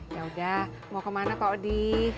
yaudah mau kemana pak odih